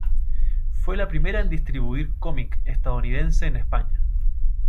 Fue la primera en distribuir cómic estadounidense en España.